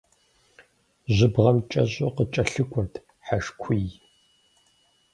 Жьыбгъэм кӏэщӏу къыкӏэлъыкӏуэрт хьэжкуий.